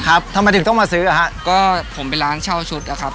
ทำไมถึงต้องมาซื้ออ่ะฮะก็ผมเป็นร้านเช่าชุดอะครับ